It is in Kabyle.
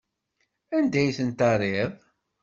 Anda ay tent-terriḍ?